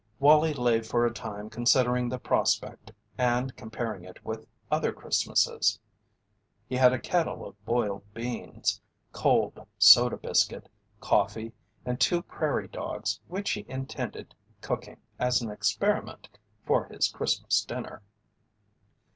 Wallie lay for a time considering the prospect and comparing it with other Christmases. He had a kettle of boiled beans, cold soda biscuit, coffee, and two prairie dogs which he intended cooking as an experiment, for his Christmas dinner.